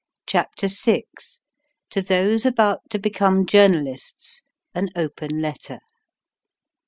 CHAPTER VI. TO THOSE ABOUT TO BECOME JOURNALISTS. AN OPEN LETTER.